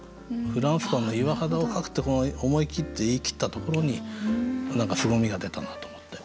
「フランスパンの岩肌を描く」ってこの思い切って言い切ったところに何かすごみが出たなと思って。